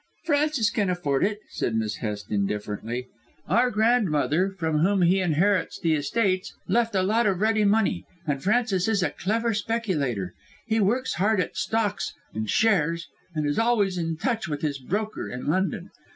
"Francis can afford it," said Miss Hest indifferently. "Our grandmother, from whom he inherits the estates, left a lot of ready money, and Francis is a clever speculator. He works hard at stocks and shares and is always in touch with his broker in London.